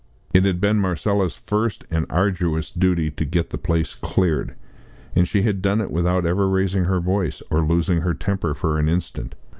It had been Marcella's first and arduous duty to get the place cleared, and she had done it without ever raising her voice or losing her temper for an instant.